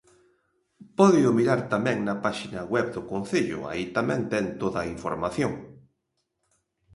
Pódeo mirar tamén na páxina web do concello, aí tamén ten toda a información.